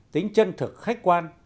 tính chân thực khách quan